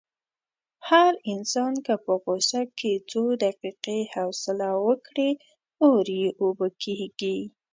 هر انسان که په غوسه کې څو دقیقې حوصله وکړي، اور یې اوبه کېږي.